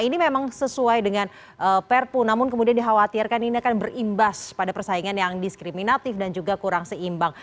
ini memang sesuai dengan perpu namun kemudian dikhawatirkan ini akan berimbas pada persaingan yang diskriminatif dan juga kurang seimbang